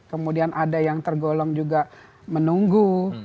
kemudian ada yang tergolong juga menunggu